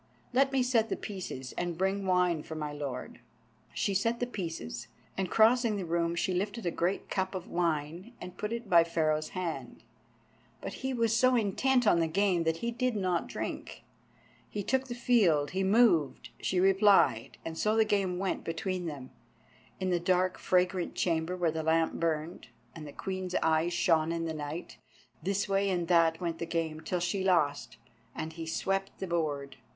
Let me set the Pieces, and bring wine for my lord." She set the Pieces, and crossing the room, she lifted a great cup of wine, and put it by Pharaoh's hand. But he was so intent on the game that he did not drink. He took the field, he moved, she replied, and so the game went between them, in the dark fragrant chamber where the lamp burned, and the Queen's eyes shone in the night. This way and that went the game, till she lost, and he swept the board.